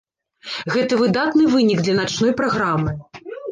Гэта выдатны вынік для начной праграмы.